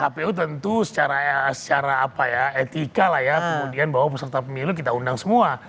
kpu tentu secara etika lah ya kemudian bahwa peserta pemilu kita undang semua